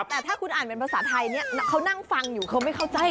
แต่ถ้าคุณอ่านเป็นภาษาไทยเนี่ยเขานั่งฟังอยู่เขาไม่เข้าใจ